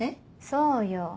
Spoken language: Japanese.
そうよ。